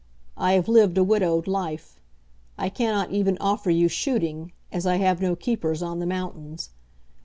I have lived a widowed life. I cannot even offer you shooting, as I have no keepers on the mountains.